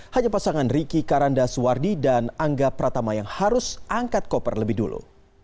hanya pasangan ricky karanda suwardi dan angga pratama yang harus angkat koper lebih dulu